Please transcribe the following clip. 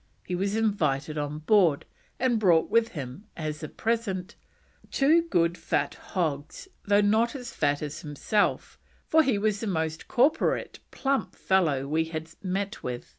He was invited on board, and brought with him as a present: "two good fat hogs, though not so fat as himself, for he was the most corporate, plump fellow we had met with.